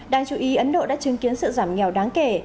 đáng chú ý ấn độ đã chứng kiến sự giảm nghèo đáng kể